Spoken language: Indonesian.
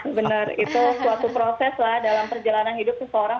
benar itu suatu proses lah dalam perjalanan hidup seseorang